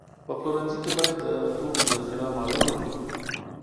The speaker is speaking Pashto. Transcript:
په پلورنځي کې باید د توکو ذخیره معلومه وي.